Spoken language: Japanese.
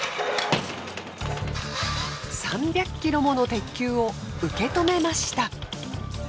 ３００ｋｇもの鉄球を受け止めました。